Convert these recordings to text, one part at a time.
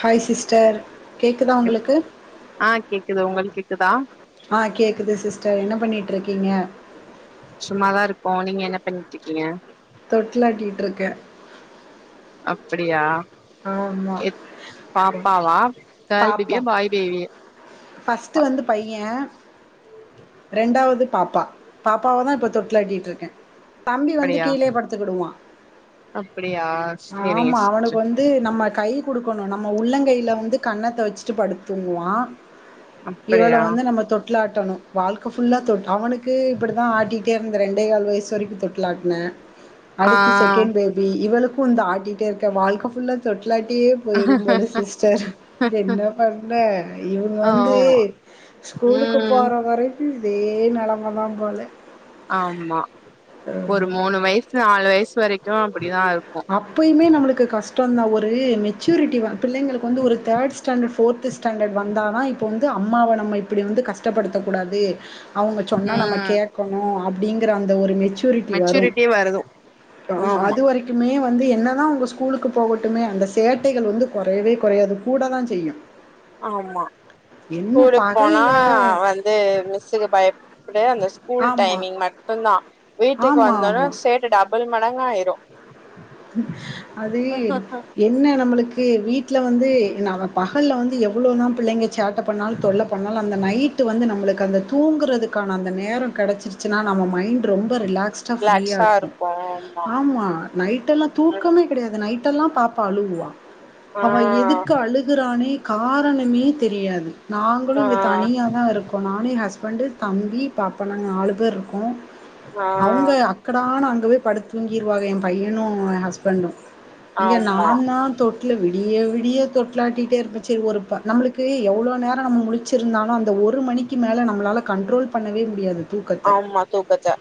Hi sister கேக்குதா உங்களுக்கு க்குதா ஆஹ் கேக்குது சிஸ்டர் என்ன பண்ணிட் டு இருக்கிங்க சும்மாதான் இருக்குகோம் நீங்க என்ன பண்ணிட்டுக்கீங்க தொட்லாட்டிட்டு இருக்கேன் அப்டியா ஆமா எப் பாப்பாவா கேள் பேபியா பாய் பேபி ஃபர்ஸ்ட்டு வந்து பையன் ரெண்டாவது பாப்பா பாப்பாவ தான் இப்போ தொட்டிலாட்டிட்டுருக்கேன் தம்பி வந்து அப்படியா கீழே படுத்துக்கிடுவா அப்படியா சரிங்க ஆமா அவனுக்கு சிஸ்டர் வந்து நம்ம கை கொடுக்கணும் நம்ம உள்ளங்கையில வந்து கண்ணத்த வச்சிட்டு படுத்தூங்குவான் இவள அப்படியா வந்து நம்ம தொட்டிலாட் டணும் வாழ்க்க ஃபுல்லா தொட் அவனுக்கு இப்டித்தான் ஆட்டிட்டே இருந்த ரெண்டே கால் வயசு வரைக்கும் தொட்லாட்டினே ஆ அடுத்து செகண்ட் பேபி இவ்வளுக் க்கும் தா ஆட்டிட்டே இருக்க வாழ்க்க ஃபுல்ல தொட்டி இல்லாட்டியே போயிரும்போல சிஸ்டர் என்ன பண்ண இவுங்க ஓ வந்து ஸ்கூலுக்கு ம் போற வரைக்கும் அதே நெலம தா போல ஆமா ஒரு மூணு வயசு நாலு வயசு வரைக் கும் அப்டிதான் இருக்கும் கு கஷ்டம் தான் ஒரு மெச்சூரிட்டி வ பிள்ளைங்களுக்கு வந்து ஒரு தேர்ட் ஸ்டாண்டர்ட்டு ஃபோர்த்து ஸ்டாண்டர்ட் வந்தா தான் இப்போ வந்து அம்மாவ நம்ம இப்டி வந்து கஷ்டப்படுத்தக்கூடாது அவுங்க சொன்னா நம்ம ம் கேக்கணும் அப் அப்டிங்கிற அந்த ஒரு மெச் மெச்சூரிட்டியே வருதும் அது வரைக்குமே மே வந்து என்ன தான் உங்க ஸ்கூலுக்கு போகட்டுனு அந்த சேட்டைகள் வந்து கொறையவே கொறையாது கூட தான் செய்யும் ஆமா என்ன ஸ்கூலுக்கு போனா பகல்ல வந்து மிஸுக்கு பயப் புடு அந்த ஸ்கூல் ஆமா, டைமிங் மட்டும்தான் வீட்டுக்கு ஆமா, வந்த ஒன்னே ஆமா. சேட்டதா டபுல் மடங்காயிரும் அது என்ன நம்பளுக் கு வீட்ல வந்து நாம்ப பகல்ல வந்து எவ்ளோனா பிள்ளைங்க சேட்ட பண்ணாலு தொல்ல பண்ணாலும் அந்த நைட்டு வந்து நம்பளுக்கு அந்த தூங்கறதுக்கான அந்த நேரம் கெடச்சிருச்சினா நம்ம மைண்ட் ரொம் ரொம்ப ரிலாக்ஸ்டா ஃப்ரீயா ரிலாக்ஸா இருக்கும் இருப்போ ஆமா நைட்டு எல்லாம் தூக்கமே கெடையாது நைட்டெல்லாம் பாப்பா அழுவா ஆ அவ எதுக்கு அழுகுறானே காரணமே தெரியாது நாங்களு இங்க ஆ தனியாதா இருக்கோ நா னு, ஏன் ஹஸ்பண்டு, தம்பி, பாப்பா நாங்க நாலு பேர் இருக்கோ. ஆ அவங்க அக்கடானு அங்கவே படுத் தூங்கியிருவாக எம் பையனு ஏன் ஹஸ்பண்டு இங்க ஆமா நாந்தா தொட்ல வி டிய விடிய தொட்லு ஆட்டிட்டே இருப்பே செரி ஒரு ப நம்மளுக்கு எவ்ளோ நேரோ நம்ம முழிச்சிருந்தாலு அந் த ஒரு மணிக்கி மேல நம்மளால கண்ட்ரோல் பண்ணவே முடியாது தூக்கத்த ஆமா தூக்கத்த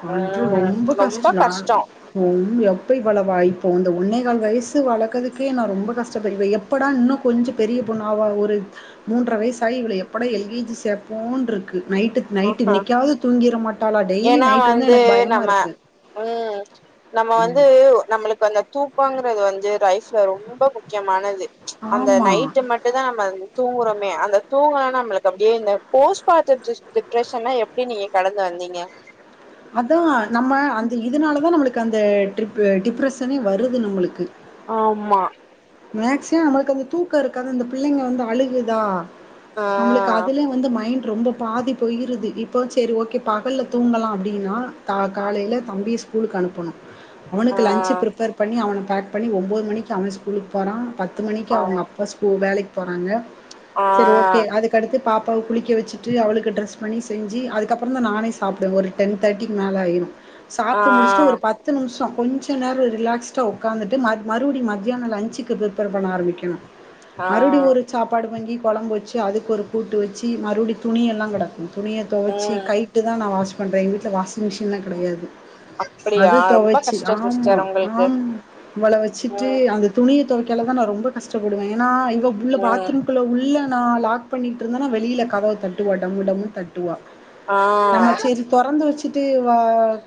கன்று ஆ ரொம்ப கஷ்டோ ஆ எப்போ இவ்வளவா இப்போ இந்த ஒண்ணே கால் வயசு வளக்கறதுக்கே நா ரொம்ப கஷ்டப்படறே எப்படா இன்னு கொஞ்ச பெரிய பொண்ணாவா ஒரு மூன்ர வயசாயி இவள எப்படா எல் கே ஜி சேப்போன்ருக்கு நைட்டு நைட்டு ஆஹா இன்னைக்காவது தூங்கிர மாட்டாளா டெய்லி ஏன்னா நைட் வந்து எனக்கு பயமா நம்ம இருக்கு ம் நம்ம வந்து நம்மளுக்கு அந்த தூ க்கோங்கறது வந்து லைஃப்ல ரொம்ப முக்கியமானது அந்த ஆமா நைட்டு மட்டுதா நம்ம தூங்குறோ மே அந்த தூங்கலனா நம்மளுக்கு அப்டியே இந்த போஸ்ட் [unintelligible] டி ப்ரஸன்லா எப்டி நீங்க கடந்து வந்தீங்க? அதுவா நம்ம அந்த இதுனாலதா நம்மளுக் க்கு அந்த டிர்ப் ஆ டிப்ரஷனே வரு ஆமா மேக்சிமோ நம்மளுக்கு அந்த தூக்கோ இருக்காது அந்த பிள்ளைங்க வந்து அழுகுதா ஆ நம்மளுக்கு அதுலயே வந்து மைண்ட் ரொம்ப பாதி போயிருது இப்போ சரி ஓகே பகல்லா தூங்கலா அப்டின்னா த காலையில தம்பிய ஸ்கூலுக்கு அனுப்பணு ஆ அவனுக்கு லன்ச்சு பிரிப்பேர் பண்ணி அவன பேக் பண்ணி ஒம்போது மணிக்கு அவ ஸ்கூலுக்கு போனா பத் து மணிக்கி ஆ அவங்க அப்பா ஸ்கூ வேலைக் போறாங்க ஆ செரி ஓகே அதுக்கடுத்து பாப்பாவ குளிக்க வெச்சுட்டு அவளுக்கு ட்ரெஸ் பண்ணி செஞ்சு அதுக்கப்புறந்தா நானே சாப்புடுவ ஒரு டென் தேட்டிக்கு மேல ஆயிரு சாப்டு முடுச்சுட்டு ஆ ஒரு பத்து நிம்ஷோ கொஞ்ச நேரோ ரிலேக்ஸ்டா உக்காந்துட்டு மறு மறுவுடி ம மத்தியானோ லன்சுக்கு பிரிப்பேர் பண்ண ஆரம்பிக்கணு ஆ மறுபடி ஒரு சாப்பாடு வாங்கி கொழம்பு வெச்சு அதுக்கு ஒரு கூட்டு வெச்சு மறுவடி துணியெல்லாங் கெடக்கு துணிய தொவச்சு ம் கைட்டுதா வாஷ் பண்ற எங்க வீட்ல வாஷிங் மிஷ் கின்ன கெடையாது அப்டியா அது ரொம்ப தொவச்சு கஷ்டோ ஆமா சிஸ்டர் உங்களுக்கு ஆம் வொள வெச்சு து ம் அந்த துணிய தொவைக்கலதா நா ரொம்ப கஷ்டப்படுவே நா இங்க உள்ள ம் பாத்ரூம்க்குள்ள உள்ள நா லாக் பண்ணிட் இருந்தனோ வெளில கதவ தட்டு ஒடம் டம்முன் தட்டு டுவா ஆ நம்ம சேரி தொறந்து வெச்சு த்துட்டு வா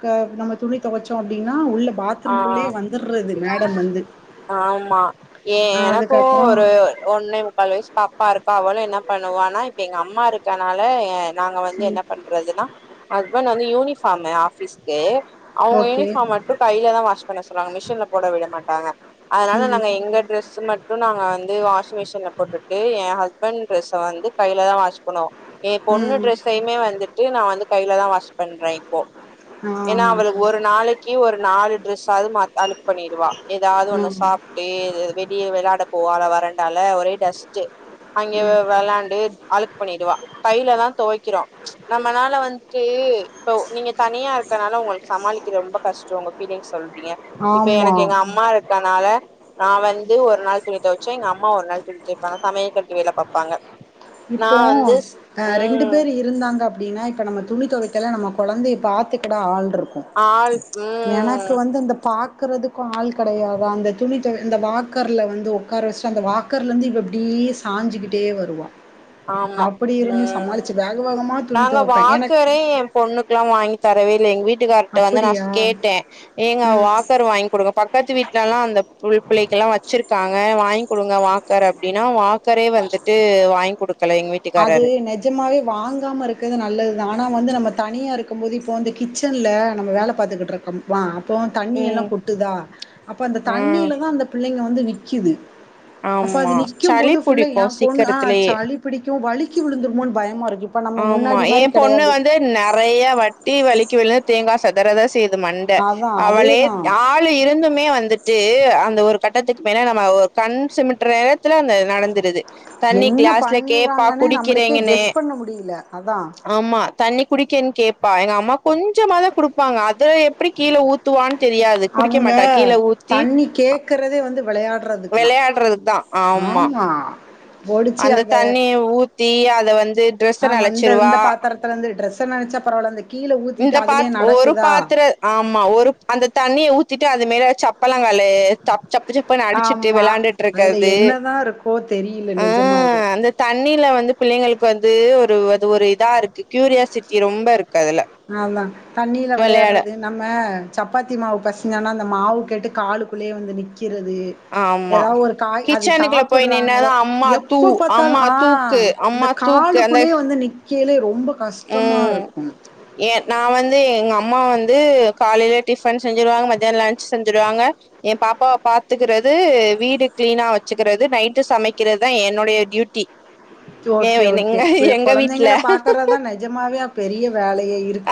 கா நம்ம துணி தொவச்சோ அப்டின்னா உள்ள பாத்ரூம் ஆ குள்ளயே வந்துர்றது மேடம் வந்து ஆமா ஏ ஆ எனக்கு அதுக்கப்புறம் ஒரு ஒன்னே முக்கால் வயிஸ் பாப்பா இருக்கா அவளு என்ன பண்ணுவா ஆனா இப்ப எங்க அம்மா இருக்கனால எ நாங்க வந்து என்ன பண்றதுன்னா ஹஸ்பண்ட் வந்து யூனிஃபாம்மு ஆஃபிஸ்க்கு அவங்க ஓகே யூனிஃபாம் மட்டு கையிலதா வாஷ் பண்ண சொல்லுவாங்க மிஷின்ல போட விட மாட்டாங்க அதனால ம் நாங்க எங்க டிரெஸ்ஸ மட் டு நாங்க வந்து வாஷிங் மிஷின்ல போட்டுட்டு எ ஹஸ்பண்ட் டிரெஸ்ஸ வந்து கையிலதா வாஷ் பண்ணுவோ ஏ பொண்ணு ம் டிரெஸ்ஸயுமே வந்துட்டு நா வந்து கையிலதா வாஷ் பண்றே போ ஆ ஏன்னா அவளுக் ஒரு நாளைக்கு ஒரு நாலு டிரெஸ் பத்தாது மாத் அழுக்கு பண்ணிடுவா எதாவது ஒண்ணு ம் சாப்டே வெளிய வெளாடு ட போவால வெரண்டால ஒரே டஸ்ட்டு அங்கே வெளாண்டு அழுக்கு பண்ணிடுவா கையில தான் துவைக்கிறோம் நம்மனால வந்துட்டு இப்போ நீங்க தனியா இரு இதனால உங்களுக்கு சமாளிக்கிறது ரொம்ப கஷ்டம் உங்க விதே சொல்றீங்க இப்ப ஆமா எனக்கு எங்க அம்மா இருக்கனால நான் வந்து வந்து ஒரு நாள் துணி துவைச்சோம் எங்க அம்மா ஒரு நாள் துணிதுவைப்பாங்க சமையல் கட்டு வேலை பார்ப்பாங்க இப்போ அஹ் ரெண்டு பேர் இருந்தாங்க அ அப்படின்னா இப்ப நம்ம துணி தொவைக்க நம்ம குழந்தை பாத்தத்துக்க கூட ஆள் இருக்கும். ஆளுக்கு வாக்குறதுக்கும் ஆள் கிடையாதா அந்த துணி தோ அந்த வாக்கர்ல வந்து உட்கார வச்சுட்டு அந்த வாக்கர்ல இருந்து இவ எப்படியே சாஞ்சுக்கிட்டே வருவான் ஆமா ம் வேகமா துணி நாங்க துவைப்பேன். எனக்கு வாக்கரே எ பொண்ணுக்குல்லா வாங்கி தரவெல்ல எங்கவீட் வீட்டுக்கார்ட வந்து நா அப்படியா? கேட்டேன் ஏங்க ம். வாக்கர் வாங்கி குடுங்க பக்கத்து வீட் அந்த புள் பிள்ளைக்கெல்லாம் வச்சிருக்காங்க வாங்கி குடுங்க வாக்கர் அப்படின்னா வாக்கரே வந்துட்டு வாங்கிகுடுங் அது நெஜமாவே வாங்காம இருக்கது நல்லதுதான் ஆனா வந்து நம்ம தனியா இருக்கு போது இப்போ வந்து கிச்சன்ல நம்ம வேலை பார்த்துக்கிட்டு இருக்கோம்ப இப்போ ம் தண்ணியெல்லாம் கொட்டுதா அப்போ அந்த ம் தண்ணியிலதா அந்த பிள்ளைங்க வந்து வந்து நிக்கிது அப்ப அது ஆமா சளி நிக்கும்போது ஃபுல்லா புடிக்கும் என் பொண்ணு ஆ சீக்கிரத்துலேயே சளி பிடிக்கும் வலிக்கு விழுந்திருமோனு பயமா இருக்கு இப்ப நம்ம ஆமா முன்னாடி மாரி என் பொண்ணு கெடையாது. வந்து நிறைய வாட்டி வலிக்கு விழு தேங்கா சேதராத செய்தது மண்ட அதான் அவளே அதேதான். ஆளு இருந்துமே வந்துட்டு அந்த ஒரு கட் கட்டத்துக்கு மேல நம்ம ஒரு கண் சிமிட்ர நேரத்துல அந்தஇது நடந்தது தண்ணி என்ன கிளாஸ்ல கேட்ப்பா குடிக்கிறேங்கன்னு இல்ல அதான் ஆமா தண்ணி குடிக்கேன்னு கேட்பா எங்க அம்மா கொஞ்சோ மாதா குடுப்பாங்க அத எப்படி கீழே ஊத்துவான்னு தெரியாது குடிக்க அவங்க மாட்டா கீழ ஊத்தி தண்ணி கேக்குறதே வந்து வெளையாடுறதுக்கு தான் ஆமா அந்த தண்ணிய ஊத்தி அ இத வந் து டிரெஸ்ஸ நலட்சுரூவா ட்ட நெனச்சா பரவால்ல இந்த இந்த பாத் ஒரு பாத்திர ஆமா ஒரு அந்த தண்ணிய ஊத்திட் ட்டு அது மேல செப்பளங்காளு தப்சப் ப்சப் அடிச்சிட்டு ஆமா விளாண்டுட்டு அதுல இருக்கது என்னதா இருக்கோ தெரில ஆ நெஜமாவே அந்த தண் தண்ணில வந்து பிள்ளைங்களுக்கு வந்து ஒரு அது ஒரு இதா இருக்கு கியூரியாசிட்டி ரொம்ப இருக்கு அதுல நா தா தண்ணில வெளையாட விளையாடறது நம்ம சப்பாத்தி மாவு பெசஞ்சானா அந்த மாவு கேட்டு கால்குள்ளேயே வந்து நிக்கு நிக்கிறது ஆமா ஏதா ஒரு காய் அது கிச்சனுக்குள்ள போய் நின்னாதா சாப்பிடுறாங்களோ அம்மா தூ எப்ப பாத்தாலு அம்மா ஆ தூக்கு அந்த அம்மா தூக்கு அந்த காலுக்குள்ளே வந்து நிக் கேளு ரொம்ப கஷ்டமா ம் இருக்கு ஏ நா வந்து எங்க அம்மா வந்து காலையில டிஃபன் செஞ்சிருவாங்க மத்தியானோ லன்ச் செஞ்சடுவாங்க எ பாப்பாவ பாத்துக்கிறது வீடு கிளீனா வச்சுக்கிறது நைட்டு சமைக்கிறதா என்னோடய டியூட்டி ஏ ஓகே ஓகே எங்க ப எங்க வீட்ல கொழந்தைங்கள பாக்கறதான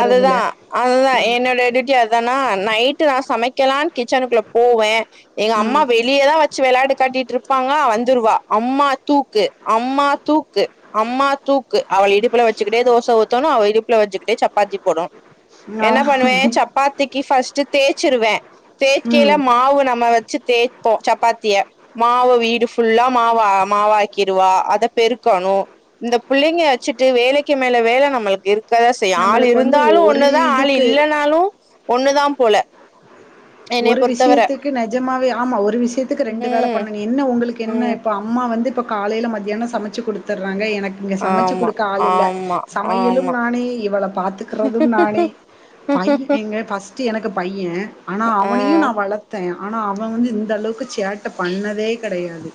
அதுதா அதுதா என்னுட டூட்டி அதனா நைட்டு நா சமை க்கலா கிச்சனுக்குள்ள போவே எங்க அம்மா ம் வெளியதா வ ச்சி வெளாட்டு காட்டிட்டு இருப்பாங்க வந்துருவா அம்மா தூக்கு அம்மா தூக்கு அம்மா தூக்கு அவள இடுப்புல வச்சுக்கிட்டே தோஸ் த்த ஊத்தனு அவ இடுப்பல வச்சிக்கிட்டே சப்பாத்தி போடு ஆ என்ன பண்ணுவே சப்பாத்தி கி ஃபர்ஸ்ட் தேய்சுருவே தேக்கையில ம் மாவு நம்ம வச்சி தேய்போ சப்பாத்திய மாவு வீடு ஃபுல்லா மாவ மாவாக்கிருவா அத பெருக்கணு இந்த புள்ளைங்க வச்சிட்டு வேலைக்கு மேல வேல நம்மளுக்கு இரு க்கதா செய்யு ஆளு நம்மளுக்கு வந்து இருந்தாலு ஒரு ஒன்னுதா ஆளு இதுக்கு இல்லனாலு ஒன்னுதா போல என்னைய ஒரு பொறுத்தவர விஷ்யத்துக்கு நெஜமாவே ஆமா ஒரு விஷ்யத்துக்கு ரெண்டு வேல ம் பண்ணணு என்ன உங்களுக்கு என்ன ம் இப்ப அம்மா வந்து இப்ப காலையில மத்தியானோ சமச்சி குடுத்துடுறாங்க என இங்க சமச்சு ஆமா கொடுக்க ஆள் இல்ல ஆமா சமையலு ஆமா நானே இவள பாத்துக்கறது நானே பை எங்க பஸ் ஃபர்ஸ்டு எனக்கு பையன் ஆனா ஆ அவனயும் நான் வளத்தேன் ஆனா அவ வந்து இந்த அளவுக்கு சேட்ட பண்தே கெடையாது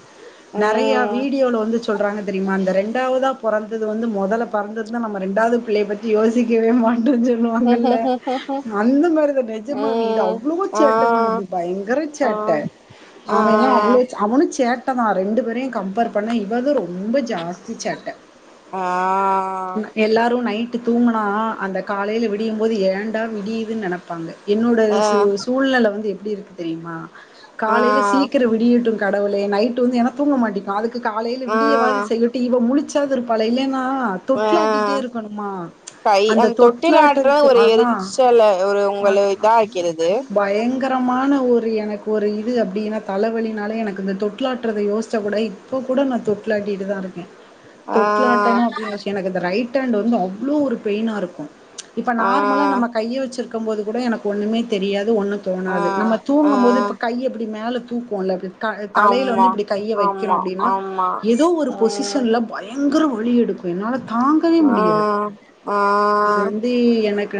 நெறய ம் வீடியோல வந்து சொல்றாங்க தெரியுமா இந்த ரெண்டாவதா பொறந்தது வந்து மொதல பொறந்துருந்தா நம்ம ரெண்டாது புள்ளயை பத்தி யோசிக்கவே மா ட்டூ சொல்லுவாங்கல ம் அந்த மாரிதான் நெஜமாவே தான் ஆ சேட்ட பண்ணுது பங்கர ஆ சேட்ட அவ எல்லா ஆ அவ்ளோ அவனும் சேட்ட தான் ரெண்டு பேரையும் கம்பேர் பண்ணா இவதான் ரொம்ப ஜாஸ்தி சேட்டை ஆஹ் ட்டு தூங்குனா அந்த காலையில விடியும் போது ஏண்டா விடியுதுனு நெனப்பாங்க என்னுட ஆ சூழ்நிலை வந்து எப்படி இருக்கு தெரியுமா ஆ காலையில சீக்கரம் விடியட்டும் கடவுளே நைட்டு வந்து ஏன தூங்க மாட்டிக் காலையில ஆ விடியவாது செய்யட்டும் இவ முழிச் த்தாது இருப்பளே ஆஹ் கை அந்த தொட்டில் ஆடுறது தொட்டிலாட்டதுக்கு ஒரு அதா எரிச்சலை ஒரு உங்க இதா இருக்கிறது பயங்க பயங்கரமான ஒரு எனக்கு ஒரு இது அப்படின்னா தலைவழினாலே எனக்கு இந்த தொட்டிலாட்டுறது யோசிச்ச கூட இப்போ கூட நான் தொட்டிலாட்டிட்டு தான் இருக்கேன் ஆ தொட்டிலாட்டணும் அப்படின்னு வச்சு எனக்கு இந்த ரைட் ரைட் ஹாண்ட் வந்து அவ்வளோ ஒரு பெயினாக இருக்கும் இப்ப ஆ நார்மலா நம்ம கையை வச்சிருக்கோம் இருக்கும் போது கூட எனக்கு ஒண்ணுமே தெரியாது ஒண்ணும் ஆ தோணாது நம்ம ஆ தூங்கும் போது இப்ப கை எப்படி மேல தூக்குவோம்ல தலையையில் ஆமா வந்து இப்படி கையை வைக்கிறோம் ஆமா அப்படின்னா ஆமா ஏதோ ஒரு ம் பொசிஷன்ல பயங்க பயங்கிற வலிஎடுக்கும் என்னால தாங்கவே ஆ முடியாது ஆ இது வந்து எனக்கு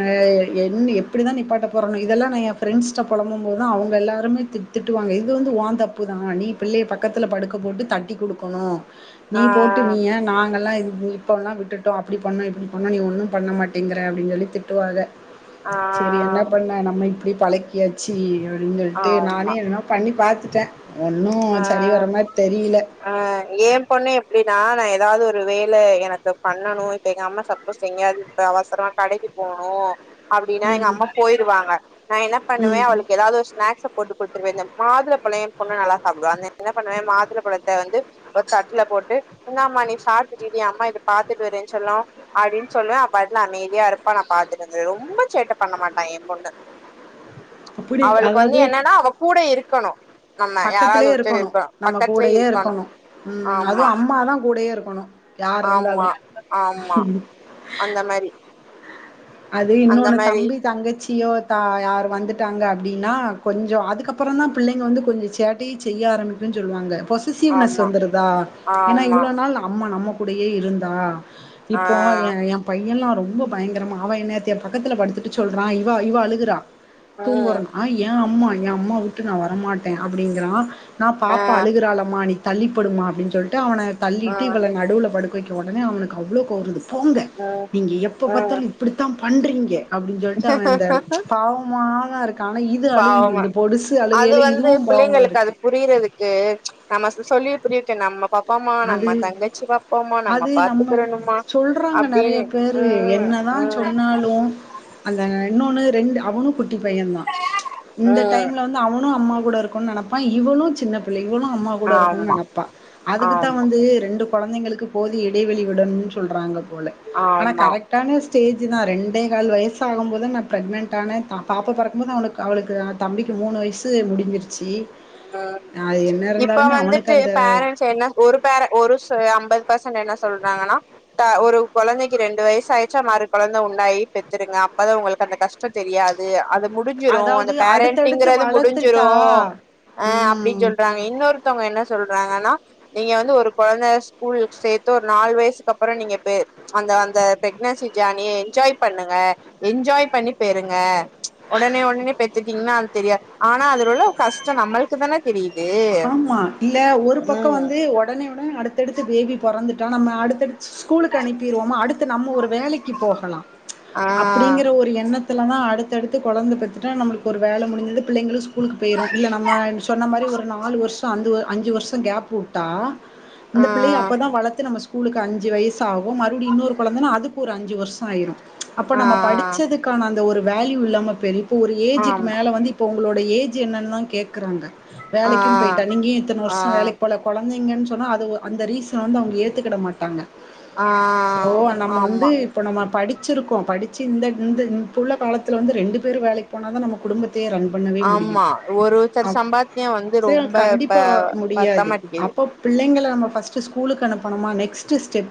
க்கு எப்டிதா நிப்பாட்ட போறணு இத் இதெல்லா நா எ ஃப்ரெண்ட்ஸிட்ட புழம்பம் போதா அவங்க எல்லாருமே த திட்டுவாங்க இது வந்து வோ தப்பு தா நீ பிள்ளைய பக்கத்தில படுக்க போட்டு தட்டி கொடுக்கணு நீ போட்டு நீ ஆ ஏ நாங்கலா இந் இப்போலா விட்டுட்டோ அப்டி பண்ணோ இப்டி பண்ணணு நீ ஒன்னு பண்ண மாட்டேங்கிற அப்டினு சொல்லி திட்டுவாக சேரி என்ன பண்ண நம் இப்டி பழக்கியாச்சு அப்டின்னு ஆ சொல்லிட்டு நானே ஆமா எதனா பண்ணி பார்த்து த ஆ ஆ ஏ பொண்ணு எப்டின்னா நா எ ஏதாவது ஒரு வேல எனக்கு பண்ணணு இப்ப எங்க அம்மா சப்போஸ் எங்கேயாவது இப்ப அவசரமா கடைக்கு போணு அப்டின்னா எங்க ம் அம்மா போயிருவாங்க நா என்ன பண்ணுவ ம் அவளுக்கு ஏதாவது ஒரு ஸ்நாக்ஸ்ஸ போட்டு கொடுத்துருவே இந்த மாதுள பழோ எ பொண்ணு நல்லா சாப்டுவா அந்த என்ன பண்ணுவே மாதுளை பழத்தை வந்து ஒரு தட்டுல போட்டு என்ன அம்மா நீ சாப்ட்டுட்டி அம்மா இத பாத்துட்டு வரறேன்னு செல்லோ அப்டின்னு சொல்லுவே அவ பாட்ல அமைதியா இருப்பா நா பாத்துட்டு இருந்தே ரொம்ப சேட்ட பண்ண மாட்டா எ பொண்ணு அப்டி அவளுக்கு வந்து என்னன்னா அவ கூட இருக் க்கணோ பக்கத்திலே இருக்கணு நம்ம கூடயே இருக்கணு உ ஆமா அதுவு அம்மாதா கூடயே இருக்கணு குணு ஆமா ஆமா அந்த மாரி அது அந்த இன்னொன்னு மாரி தம்பி தங்கச் சியோ தா யார் வந்துட்டாங்க அப்டின்னா கொஞ்ச அதுக்கப்புற தா பிள்ளைங்க வந்து கொஞ்ச சேட்டையே செய்ய ஆரம்பிக்கும்ன்னு சொல்லுவாங்க பொசிசிவ்னஸ் ஆமா வந்துருதா ஏன்னா ஆமா இவ்ளோ நாள் அம்மா நாம் கூடையே இருந்தா ஆ இப்போ எ எ பையன்ல்லா ரொம் ரொம்ப பயங்கரமா அவ நேத்து பக்கத்து பத்துட்டு சொல்றா இவா இவ அழுகுறா ம் தூங்குறோனா எ அம்மா எ அம்மா விட்டு நா வரமாட்டே அப்டிங்கிறா நா ஆ பாப்பா அழுகுறாளமாணி தள்ளிப்படுமா அப்டின்னு சொல்லி ட்டு அவன தள்ளிட்டு ம் இவளா நடுல படுக்க போய்க்கு உடனே அவனுக்கு அவ்ளோ கோவோ வருது போங்க ம் நீங்க எப்ப ம் பாத்தாலு இப்பிடித்தா பண்றீங்க அப்டின் சொல்ட்டு அவே அந்த பாவமாதா இரு பாவமா அது வந்து இதுவும் பாவமா பிள்ளைங்களுக்கு அது இருக்கு புரியறதுக்கு நம்ம து சொல்லி புரிய வைக்க நம்ம பாப் பாம்மா அது நம்ம தங்கச்சி பாப்பாம்மா நம்ம பாத்துக்கிரணுமா சொல்றாங்க நெறைய அப்டின்னு பேரு ம் என்னதா ம் சொன்னாலு அந்த இன்னொன்னு ரெண்டு அவனு குட்டிப் பையன்தா இந்த ம் டைம்ல வந்து அவனு அம்மா கூட இருக்கணுனு நெனப்பா இவளு சின்ன பிள்ளை இவளு அம்மா கூட இருக்கணுன்னு ஆமா நெனைப்பா அதுக்கு த்தா ஆமா வந்து ரெண்டு கொழந்தைங்களுக்கு போதிய இடைவெளி விடணனு சொல்றாங்க போல ஆனா ஆமா கரெக்டான ஸ் டேஜுதா ரெண்டே கால் வயசாகும் போது நான் ப்ரெக்னண்ட் ஆனே பா பாப்பா பொறக்கும்போது அவனுக்கு அவளுக்கு ஆ தம்பிக்கு மூணு வயசு முடிஞ்சிருச்சி ஆ இப்ப வந்துட்டு அந்த பேரன்ட்ஸ் என்ன ஒரு பேர ஒரு ச அம்பது பெர்சன்ட் என்ன சொல்றாங்கன்னா த ஒரு கொழந்தைக்கி ரெண்டு வயசு ஆயிருச்சா மறு கொழந்தை உண்டாயி பெத்துருங்க அப்பதா உங்களுக்கு அந்த கஷ்டோ தெரியாது அது முடிஞ்சிரு அதாவது அந்த அடுத்தடுத்து பேரண்டிங்கறது முடிஞ்சிரு வளர்த்துட்டா ஆ அப்டின்னு ம் சொல்றாங்க இன்னொருத்தவங்க என்ன சொல் றாங்கன்னா நீங்க வந்து ஒரு கொழந்த ஸ்கூல் சேத்து ஒரு நாலு வயசுக்கு அப்புறோ நீங்க அந்த அந்த பிரெக்னன்சி ஜர்னிய என்ஜாய் பண்ணுங்க என்ஜாய் பண்ணி பெறுங்க உடனே உடனே பெத்துட்டீங்கன்னா அது தெரியா ஆனா அதுல உள்ள கஷ் டோ நம்மளுக்கு தான தெரியு ஆமா இல்ல ஒரு பக்கோ வந்து ஒடனே ஒடனே அடுத்தடுத்து பேபி பொறந்து ட்டோ நம்ம அடுத்தடு ஸ்கூலுக்கு அனுப்பிருவோமோ அடுத்த நம்ம ஒரு வேலைக்கி போகலா ஆ அப்பிடிங்கிற ஒரு எண்ணத் துல நா அடுத்தடுத்து கொழந்த பெத்துட்டா நம்மளுக்கு ஒரு வேல முடிஞ்சுது பிள்ளைங்களு ஸ்கூலுக்கு போயிரு. இல்ல நம்ம சொன்ன மாரி ஒரு நாலு வருஷோ அந்து வ அஞ்சு வர்ஷோ கேப்பு உட்டா ஆ இந்த பிள்ளைய அப்பதா வளத்து நம்ம ஸ் கூலுக்கு அஞ்சு வயசு ஆகு மறுபிடி இன்னொரு கொழந்தைனா அதுக்கு ஒரு அஞ்சு வருஷோ ஆயிரு அப்ப ஆ நம்ம படிச்சதுக்கான அந்த ஒரு வேல்யூ இல்லாம பெரி ப்ப ஒரு ஏஜுக்கு ஆம் மேல வந்து இப்ப உங்களோடய ஏ ச்சி என்னல்லா கேக்குறாங்க ஆ வேலைக்கின்னு போயிட்டா நீங்கயே இத்தன ஆ வருஷ வேலைக்கு போல கொழந்தை நீங்கன்னு சொன்னா ஒ அது அந்த ரீஸ் து வந்து அவுங்க ஏத்துக்கிட மாட்டாங்க ஆ சோ நம்ம வந்து ஆமா இப்ப நம்ம படிக் ச்சிருக்கோ படிச்சி இந்த இந்த இப்புல்ல காலத்தில வந்து ரெண்டு பேரு வேலைக்கு போன தா நம்ம குடும்பத் ஆமா ஒரு சர் சம்பாத்தியோ வந் சேர் கண்டிப்பா முடியாது அப்ப பிள் பிள்ளைங்கல நம்ம பஸ்ட்டு ஸ்கூலுக்கு அனுப்புனுமா நெக்ஸ்டு ஸ்டெப்